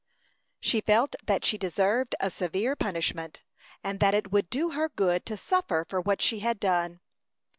She felt that she deserved a severe punishment, and that it would do her good to suffer for what she had done.